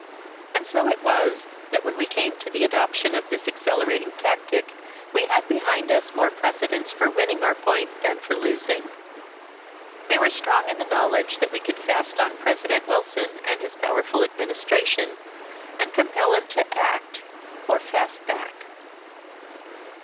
And so it was that when we came to the adoption of this accelerating tactic, we had behind us more precedents for winning our point than for losing. We were strong in the knowledge that we could "fast on" President Wilson and his powerful Administration, and compel him to act or "fast back."